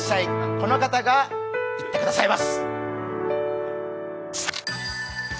この方が言ってくださいます。